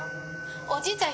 おじいちゃん